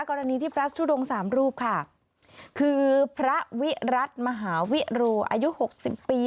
กรณีที่พระทุดงสามรูปค่ะคือพระวิรัติมหาวิโรอายุหกสิบปี